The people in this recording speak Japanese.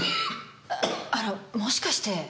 あらもしかして？